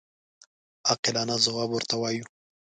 عاقلانه ځواب ورته ووایو.